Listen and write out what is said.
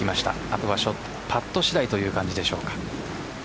あとはパット次第という感じでしょうか。